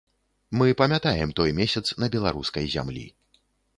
Мы памятаем той месяц на беларускай зямлі.